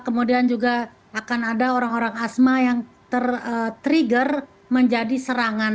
kemudian juga akan ada orang orang asma yang tertrigger menjadi serangan